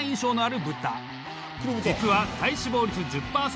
実は。